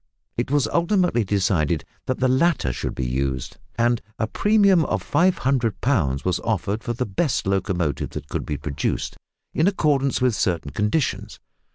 It was ultimately decided that the latter should be used, and a premium of 500 pounds was offered for the best locomotive that could be produced, in accordance with certain conditions.